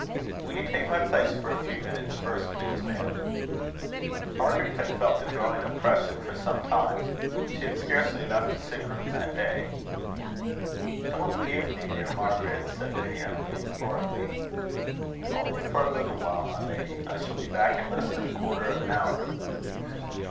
"Will you take my place for a few minutes first, please, ma'am?" Margaret had felt a growing oppression for some time. She had scarcely left the sick room that day. "Don't leave me, dear Margaret," said Lady Emily, imploringly. "Only for a little while, my lady. I shall be back in less than a quarter of an hour."